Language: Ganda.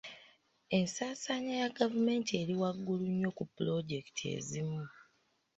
Ensaasaanya ya gavumenti eri waggulu nnyo ku pulojekiti ezimu.